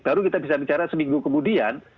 baru kita bisa bicara seminggu kemudian